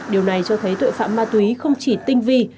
điều này cho thấy tội phạm ma túy không chỉ tinh vi